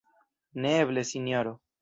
Neeble, Sinjoro!